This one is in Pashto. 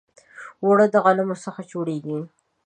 اوړه د غنمو څخه جوړیږي